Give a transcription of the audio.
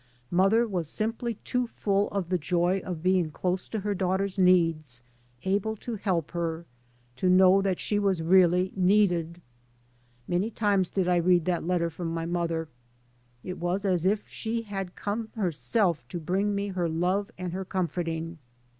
Mother was simply too full of the joy of being close to her daugh ter's needs, able to help her, to know that she was really needed. Many times did I read that letter from my mother. It was as if she had come herself to bring me her love and her comforting.